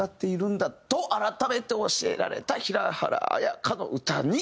と改めて教えられた平原綾香の歌に。